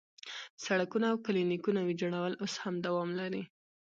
سړکونه او کلینیکونه ویجاړول اوس هم دوام لري.